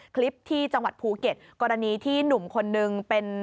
คลิปที่จังหวัดภูเก็ตกรณีที่หนุ่มคนนึงเป็น